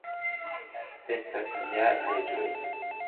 Estas ja leĝoj.